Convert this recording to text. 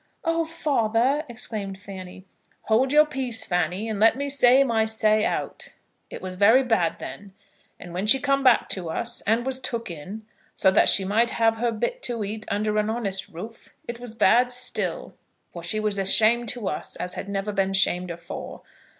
"Oh, father!" exclaimed Fanny. "Hold your peace, Fanny, and let me say my say out. It was very bad then; and when she come back to us, and was took in, so that she might have her bit to eat under an honest roof, it was bad still; for she was a shame to us as had never been shamed afore.